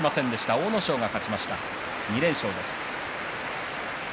阿武咲が勝ちました、２連勝です。